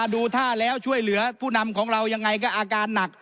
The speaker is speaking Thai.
ดูท่าแล้วช่วยเหลือผู้นำของเรายังไงก็อาการหนัก